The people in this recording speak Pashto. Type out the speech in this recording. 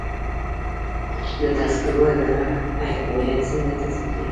د تذکرو اداره هویت څنګه تثبیتوي؟